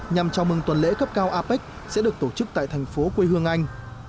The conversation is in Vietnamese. nhằm chào mừng tuần lễ cấp cao apec sẽ được tổ chức tại thành phố quê hương anh